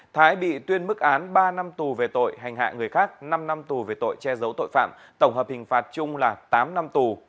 thái bị tuyên mức án ba năm tù về tội hành hạ người khác năm năm tù về tội che giấu tội phạm tổng hợp hình phạt chung là tám năm tù